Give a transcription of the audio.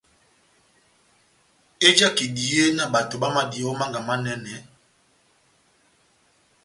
Ejaka ehidiye na bato bámadiyɛ ó manga,